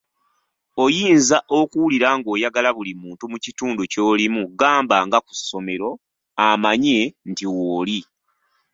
Oyinza okuwulira ng'oyagala buli muntu mu kitundu ky'olimu gamba nga ku ssomero amanye nti w'oli.